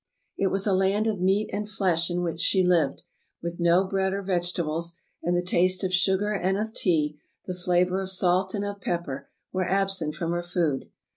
It was a land of meat and flesh in which she lived, with no bread or vegetables, and the taste of sugar and of tea, the flavor of salt and of pepper, were ab sent from her food.